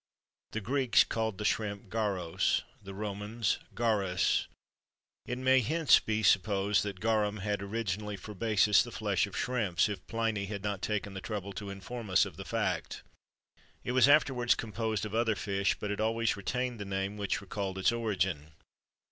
The Greeks called the shrimp garos, the Romans garus: it may hence be supposed that garum had originally for basis the flesh of shrimps, if Pliny had not taken the trouble to inform us of the fact.[XXIII 19] It was afterwards composed of other fish, but it always retained the name which recalled its origin.